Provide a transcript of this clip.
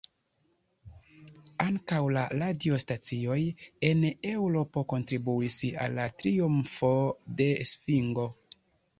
Ankaŭ la radiostacioj en Eŭropo kontribuis al la triumfo de svingo.